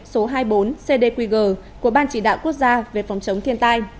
số hai mươi bốn cd quy g của ban chỉ đạo quốc gia về phòng chống thiên tai